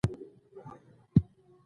د داسې طرحې تطبیقول ډېرې پیسې غواړي.